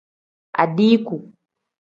Adiiku.